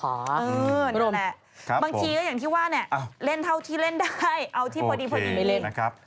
นั่นแหละบางทีก็อย่างที่ว่าเนี่ยเล่นเท่าที่เล่นได้เอาที่พอดีพอดีไม่เล่นนะครับ